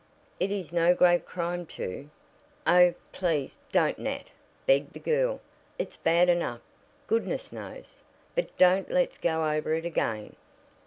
It is no great crime to " "Oh, please, don't, Nat!" begged the girl. "It's bad enough, goodness knows, but don't let's go over it again."